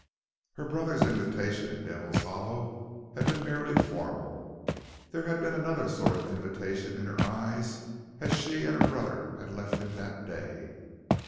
Her brother's invitation in Devil's Hollow had been merely formal; there had been another sort of invitation in her eyes as she and her brother had left him that day.